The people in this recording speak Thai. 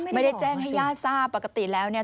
ไม่ได้แจ้งให้ญาติทราบปกติแล้วเนี่ย